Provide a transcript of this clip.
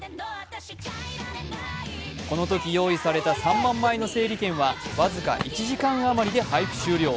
このとき用意された３万枚の整理券は僅か１時間余りで配布終了。